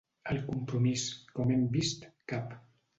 El compromís, com hem vist, cap.